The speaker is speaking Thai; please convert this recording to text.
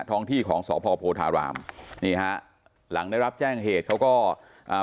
ท้องที่ของสพโพธารามนี่ฮะหลังได้รับแจ้งเหตุเขาก็อ่า